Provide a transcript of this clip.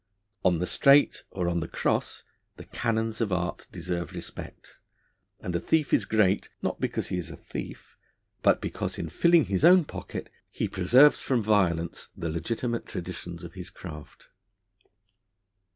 On the straight or on the cross the canons of art deserve respect; and a thief is great, not because he is a thief, but because, in filling his own pocket, he preserves from violence the legitimate traditions of his craft.